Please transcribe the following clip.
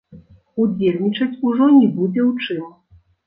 Удзельнічаць ужо не будзе ў чым.